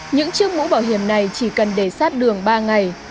những chiếc mũ bảo hiểm này chỉ cần để sát đường ba ngày